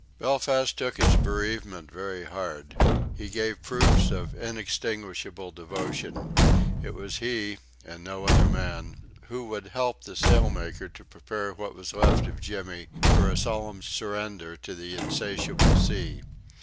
Belfast took his bereavement very hard. He gave proofs of unextinguishable devotion. It was he, and no other man, who would help the sailmaker to prepare what was left of Jimmy for a solemn surrender to the insatiable sea.